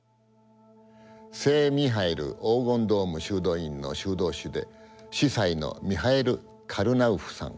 聖ミハイル黄金ドーム修道院の修道士で司祭のミハイル・カルナウフさん。